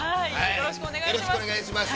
◆よろしくお願いします。